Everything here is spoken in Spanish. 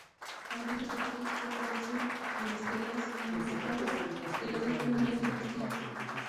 Algunos textos ya aparecen en estelas y mastabas de las dos primeras dinastías.